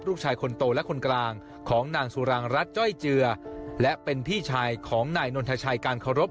ลูกชายคนโตและคนกลางของนางสุรางรัฐจ้อยเจือและเป็นพี่ชายของนายนนทชัยการเคารพ